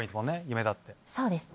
「夢だ」って。